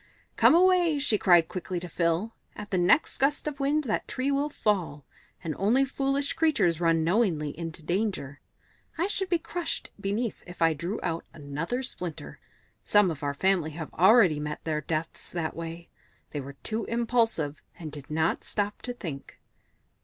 "Come away," she cried quickly to Phil; "at the next gust of wind that tree will fall, and only foolish creatures run knowingly into danger. I should be crushed beneath it if I drew out another splinter. Some of our family have already met their deaths that way; they were too impulsive, and did not stop to think."